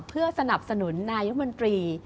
เพื่อสนับสนุนนายมนตรี